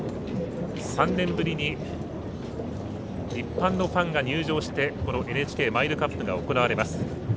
３年ぶりに一般のファンが入場してＮＨＫマイルカップが行われます。